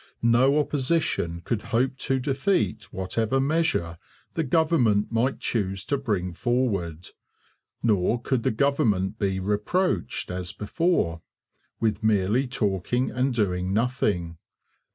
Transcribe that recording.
No opposition could hope to defeat whatever measure the government might choose to bring forward. Nor could the government be reproached, as before, with merely talking and doing nothing.